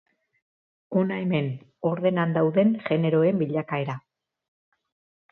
Hona hemen ordenan dauden generoen bilakaera.